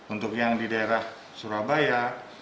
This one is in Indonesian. untuk yang di daerah surabaya